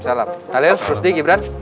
assalamualaikum kalian berusia sedikit berat